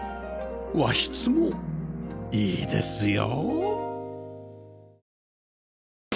和室もいいですよ